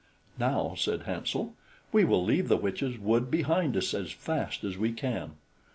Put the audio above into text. "Now," said Hansel, "we will leave the witch's wood behind us as fast as we can."